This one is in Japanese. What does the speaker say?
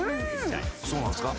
そうなんですか？